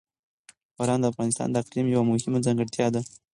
باران د افغانستان د اقلیم یوه مهمه ځانګړتیا ده.